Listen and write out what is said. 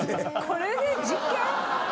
これで実験⁉